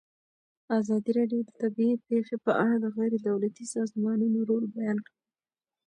ازادي راډیو د طبیعي پېښې په اړه د غیر دولتي سازمانونو رول بیان کړی.